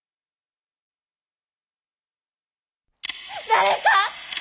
誰か！